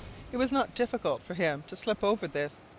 It was not difficult for him to slip over this.